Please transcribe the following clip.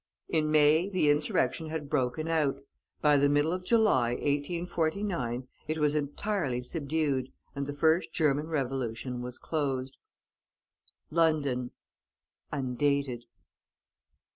In May the insurrection had broken out; by the middle of July, 1849, it was entirely subdued and the first German Revolution was closed. LONDON. (Undated.)